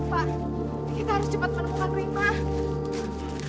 pak kita harus cepat menemukan rumah